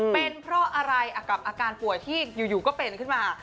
เป็นเพราะอะไรกับอาการป่วยที่อยู่ก็เป็นขึ้นมา